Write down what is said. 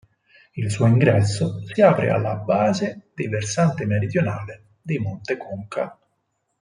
Il suo ingresso si apre alla base dei versante meridionale dei Monte Conca.